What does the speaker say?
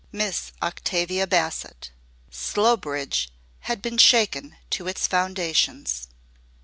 MISS OCTAVIA BASSETT. Slowbridge had been shaken to its foundations.